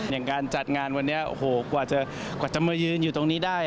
อย่างการจัดงานวันนี้โอ้โหกว่าจะมายืนอยู่ตรงนี้ได้